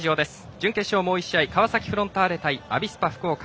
準決勝のもう１試合川崎フロンターレ対アビスパ福岡